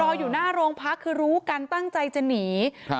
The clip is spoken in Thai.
อยู่หน้าโรงพักคือรู้กันตั้งใจจะหนีครับ